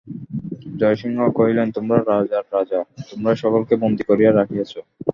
জয়সিংহ কহিলেন, তোমরা রাজার রাজা, তোমরাই সকলকে বন্দী করিয়া রাখিয়াছ।